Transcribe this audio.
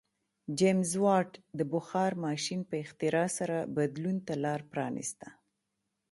جېمز واټ د بخار ماشین په اختراع سره بدلون ته لار پرانیسته.